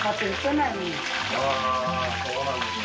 ああーそうなんですね